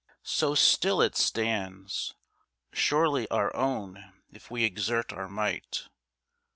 So still it stands Surely our own if we exert our might.